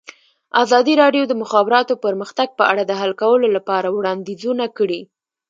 ازادي راډیو د د مخابراتو پرمختګ په اړه د حل کولو لپاره وړاندیزونه کړي.